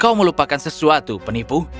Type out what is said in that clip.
kau melupakan sesuatu penipu